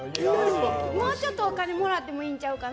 もうちょっとお金もらってもいいんちゃうかな。